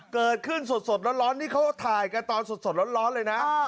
เกิดขึ้นสดร้อนนี่เขาถ่ายกันตอนสดร้อนเลยนะ